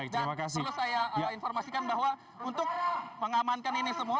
dan perlu saya informasikan bahwa untuk mengamankan ini semua